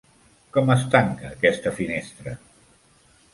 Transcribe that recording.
Com es tanca aquesta finestra?